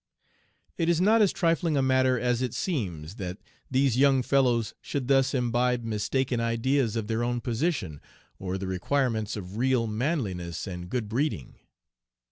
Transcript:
"It is not as trifling a matter as it seems that these young fellows should thus imbibe mistaken ideas of their own position or the requirements of real manliness and good breeding.